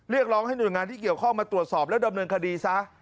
เรียกร้องให้หน่วยงานที่เกี่ยวข้องมาตรวจสอบแล้วดำเนินคดีซะ